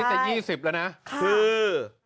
คือจะ๒๐แล้วนะค่ะค่ะคือ